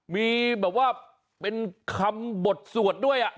มีแบบว่าเป็นคำบทสวดด้วย